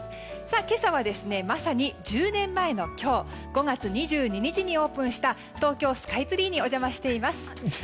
今朝はまさに１０年前の今日５月２２日にオープンした東京スカイツリーにお邪魔しています。